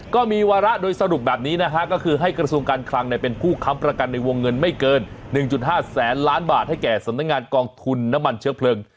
ก็มีวาระโดยสรุปแบบนี้นะฮะก็คือให้กระทรวงการคลังเป็นผู้ค้ำประกันในวงเงินไม่เกิน๑๕แสนล้านบาทให้แก่สำนักงานกองทุนน้ำมันเชื้อเพลิง